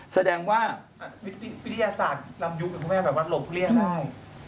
แสดงว่าวิทยาศาสตร์ลำยุคเป็นพูดแบบว่าโรคเรียกได้